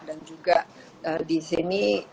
dan juga di sini